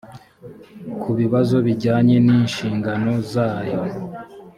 ku bibazo bijyanye n’inshingano zayo